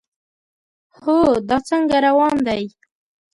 هو، دا څنګه روان دی؟